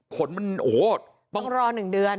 ผลมันโอ้โหต้องรอ๑เดือน